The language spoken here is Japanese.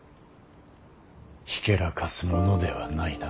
ひけらかすものではないな。